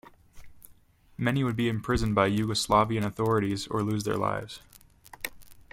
Many would be imprisoned by Yugoslavian authorities or lose their lives.